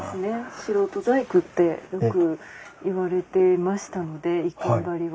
素人細工ってよく言われていましたので一閑張は。